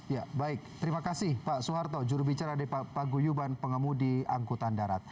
ya baik terima kasih pak soeharto jurubicara paguyuban pengemudi angkutan darat